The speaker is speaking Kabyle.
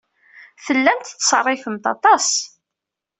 Tellamt tettṣerrifemt aṭas.